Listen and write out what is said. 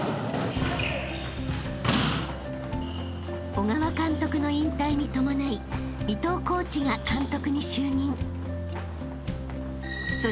［小川監督の引退に伴い伊藤コーチが監督に就任］